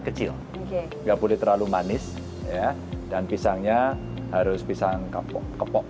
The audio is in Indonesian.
kecil nggak boleh terlalu manis ya dan pisangnya harus pisang kapok kepok